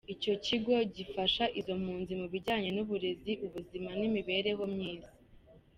Icyo kigo gifasha izo mpunzi mu bijyanye n’uburezi, ubuzima n’iImibereho myiza.